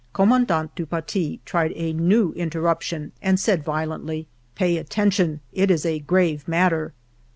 Commandant du Paty tried a new interruption and said violently :" Pay attention ; it is a grave matter."